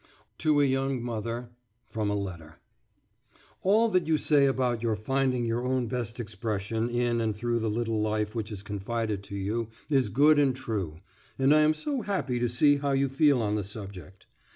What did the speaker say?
TO A YOUNG MOTHER [FROM A LETTER] ... All that you say about your finding your own best expression in and through the little life which is confided to you is good and true, and I am so happy to see how you feel on the subject.